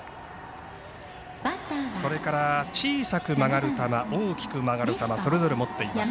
それから、小さく曲がる球大きく曲がる球それぞれ持っています。